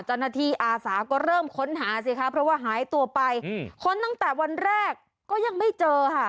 เจ้าหน้าที่อาสาก็เริ่มค้นหาเพราะว่าหายตัวไปค้นตั้งแต่วันแรกก็ยังไม่เจอ